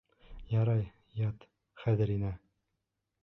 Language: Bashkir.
Ярай, ят, хәҙер инә.